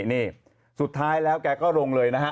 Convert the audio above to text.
นี่สุดท้ายแล้วแกก็ลงเลยนะฮะ